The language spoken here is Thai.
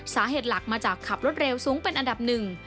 สาเหตุหลักมาจากขับรถเร็วสูงเป็นอันดับหนึ่ง